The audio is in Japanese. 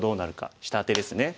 下アテですね。